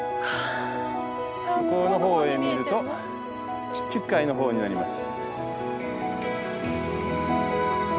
そこの方へ見えると地中海の方になります。